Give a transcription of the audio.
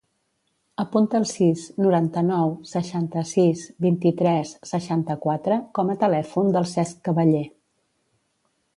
Apunta el sis, noranta-nou, seixanta-sis, vint-i-tres, seixanta-quatre com a telèfon del Cesc Caballer.